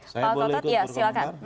pak kota ya silahkan